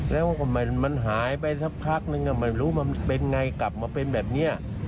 แล้วก็มันหายไปสักพักนึงไม่รู้มันเป็นไงกลับมาเป็นแบบนี้